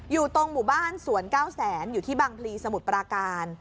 อยู่ตรงหมู่บ้านสวน๙แสนอยู่ที่บางพลีสมุทรปราการ